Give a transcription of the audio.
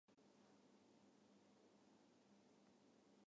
フライパンは宇宙のコックピット